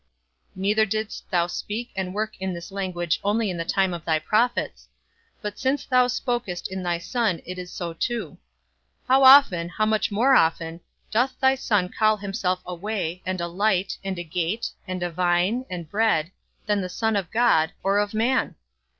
Neither didst thou speak and work in this language only in the time of thy prophets; but since thou spokest in thy Son it is so too. How often, how much more often, doth thy Son call himself a way, and a light, and a gate, and a vine, and bread, than the Son of God, or of man?